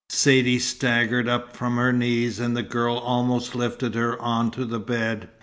Saidee staggered up from her knees, and the girl almost lifted her on to the bed.